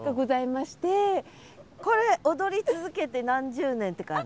これ踊り続けて何十年って感じ？